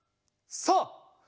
さあ。